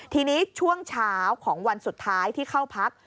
ทีนี้ช่วงเช้าของวันสุดท้ายที่เข้าพัก